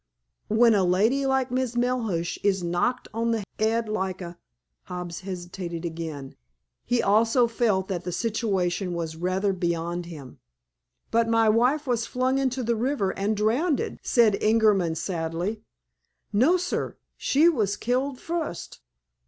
"When a lady like Miss Melhuish is knocked on the 'ead like a—" Mr. Hobbs hesitated again. He also felt that the situation was rather beyond him. "But my wife was flung into the river and drowned," said Ingerman sadly. "No, sir. She was killed fust.